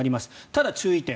ただ注意点